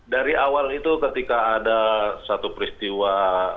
dari awal itu ketika ada satu peristiwa